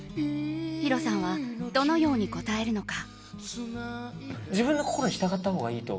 ヒロさんはどのように答えるのか。